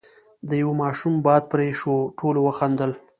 ، د يوه ماشوم باد پرې شو، ټولو وخندل،